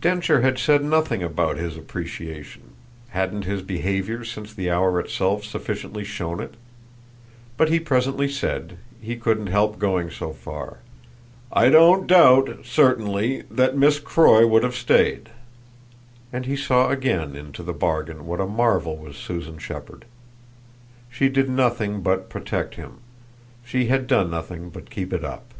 Densher had said nothing about his appreciation: hadn't his behaviour since the hour itself sufficiently shown it? But he presently said he couldn't help going so far: "I don't doubt, certainly, that Miss Croy would have stayed." And he saw again into the bargain what a marvel was Susan Shepherd. She did nothing but protect him she had done nothing but keep it up.